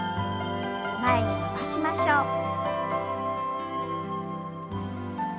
前に伸ばしましょう。